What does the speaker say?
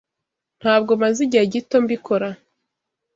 Ntabwo maze igihe gito mbikora.